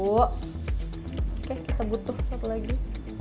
oke kita butuh satu lagi